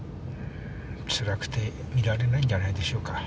つらくて見られないんじゃないでしょうか。